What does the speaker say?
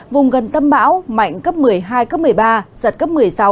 vùng gần tâm bão mạnh cấp một mươi hai cấp một mươi ba giật cấp một mươi sáu